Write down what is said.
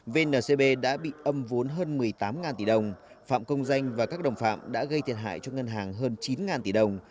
vncb đã bị âm vốn hơn một mươi tám tỷ đồng phạm công danh và các đồng phạm đã gây thiệt hại cho ngân hàng hơn chín tỷ đồng